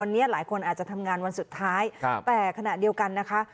วันนี้หลายคนอาจจะทำงานวันสุดท้ายแต่ขณะเดียวกันนะคะ